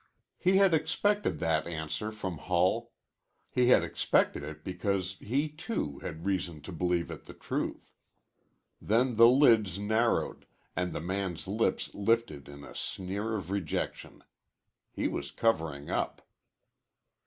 He had expected that answer from Hull. He had expected it because he, too, had reason to believe it the truth. Then the lids narrowed, and the man's lip lifted in a sneer of rejection. He was covering up.